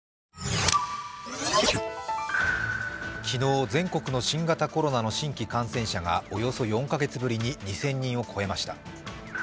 昨日、全国の新型コロナの新規感染者がおよそ４カ月ぶりに２０００人を超えました。